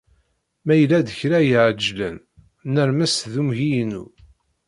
Ma yella-d kra iεeǧlen, nermes d umgi-inu.